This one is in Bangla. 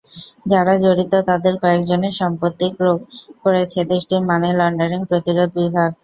যারা জড়িত তাদের কয়েকজনের সম্পত্তি ক্রোক করেছে দেশটির মানি লন্ডারিং প্রতিরোধ বিভাগ।